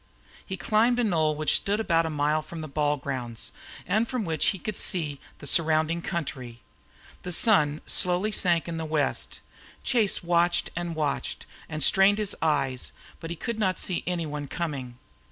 He climbed a knoll which stood about a mile from the ball grounds, and from which he could see the surrounding country. The sun slowly sank in the west. Chase watched and watched and strained his eyes, but he could not see any one coming.